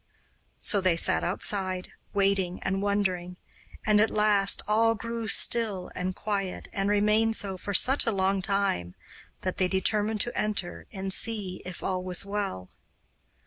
So they sat outside, waiting and wondering; and at last all grew still and quiet, and remained so for such a long time that they determined to enter and see if all was well.